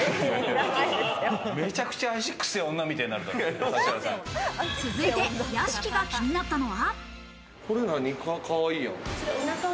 めちゃくちゃ足くせえ女みた続いて屋敷が気になったのは。